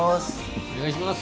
お願いします